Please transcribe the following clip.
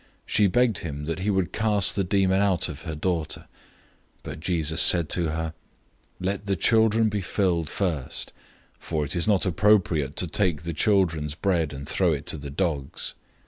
She begged him that he would cast the demon out of her daughter. 007:027 But Jesus said to her, "Let the children be filled first, for it is not appropriate to take the children's bread and throw it to the dogs."